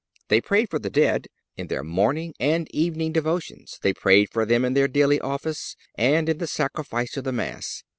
They prayed for the dead in their morning and evening devotions. They prayed for them in their daily office, and in the Sacrifice of the Mass.